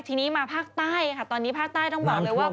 ทีนี้มาภาคใต้ค่ะตอนนี้ภาคใต้ต้องบอกเลยว่า